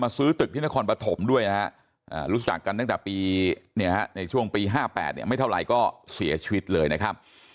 ซื้อตึกที่นครปฐมด้วยนะฮะรู้จักกันตั้งแต่ในช่วงปี๕๘ไม่เท่าไหร่ก็เสียชีวิตเลยนะครับ